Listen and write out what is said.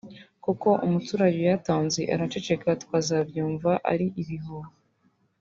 kuko umuturage uyatanze araceceka tukazabyumva ari ibihuha